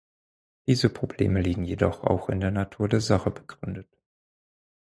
Diese Probleme liegen jedoch auch in der Natur der Sache begründet.